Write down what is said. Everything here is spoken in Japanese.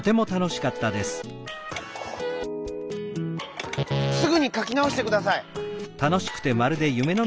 「すぐにかきなおしてください」。